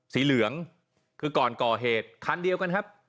สีเหลืองคือก่อนก่อเหตุคันเดียวกันครับ